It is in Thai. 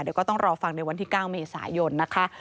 เดี๋ยวก็ต้องรอฟังในวันที่๙เมษายนนะคะ